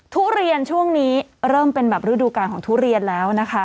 ทุเรียนช่วงนี้เริ่มเป็นแบบฤดูการของทุเรียนแล้วนะคะ